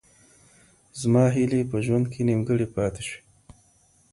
زما هیلې په ژوند کي نیمګړې پاتې سوې.